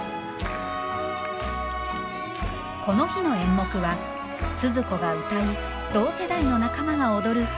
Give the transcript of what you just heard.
この日の演目はスズ子が歌い同世代の仲間が踊る「恋のステップ」。